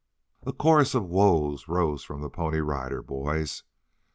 A chorus of "whoa's" rose from the Pony Rider Boys.